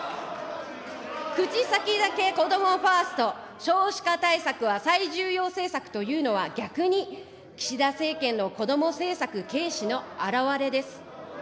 口先だけこどもファースト、少子化対策は最重要政策というのは、逆に、岸田政権のこども政策軽視の表れです。